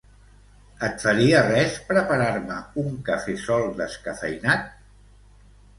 Et faria res preparar-me un cafè sol descafeïnat?